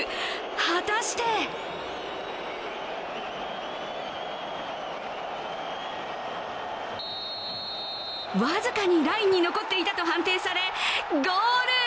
果たして僅かにラインに残っていたと判定され、ゴール！